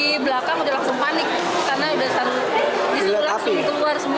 kemudian keluar asap terus di belakang udah langsung panik karena udah disuruh langsung keluar semua